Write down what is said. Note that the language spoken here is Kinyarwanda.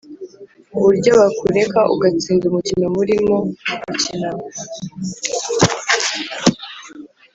Uburyo bakureka ugatsinda umukino murimo gukinana